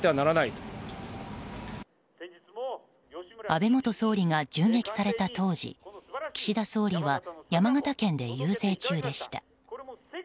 安倍元総理が銃撃された当時岸田総理は山形県で遊説中でした。